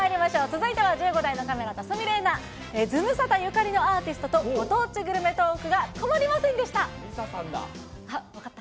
続いては１５台のカメラと鷲見玲奈、ズムサタゆかりのアーティストと、ご当地グルメトークが止まりませんでした。